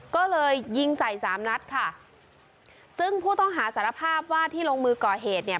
ก็เลยยิงใส่สามนัดค่ะซึ่งผู้ต้องหาสารภาพว่าที่ลงมือก่อเหตุเนี่ย